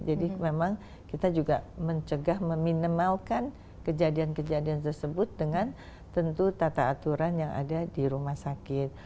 jadi memang kita juga mencegah meminemalkan kejadian kejadian tersebut dengan tentu tata aturan yang ada di rumah sakit